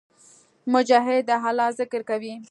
مجاهد د الله ذکر کوي.